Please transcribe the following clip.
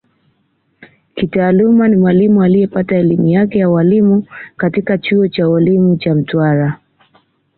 Kitaaluma ni Mwalimu liyepata elimu yake ya Ualimu katika chuo cha ualimu cha Mtwara